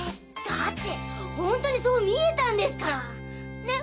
だって本当にそう見えたんですからねえ